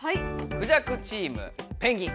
クジャクチーム「ペンギン」。